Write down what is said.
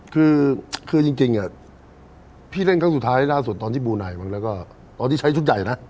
คือจริงพี่เล่นครั้งสุดท้ายล่าสุดตอนที่บูไนมั้งแล้วก็ตอนที่ใช้ชุดใหญ่นะ